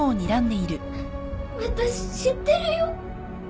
私知ってるよ